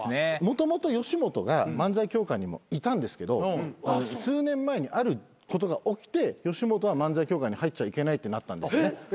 もともと吉本が漫才協会にもいたんですけど数年前にあることが起きて吉本は漫才協会に入っちゃいけないってなったんですね。